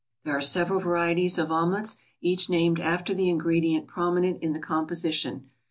There are several varieties of omelettes, each named after the ingredient prominent in the composition.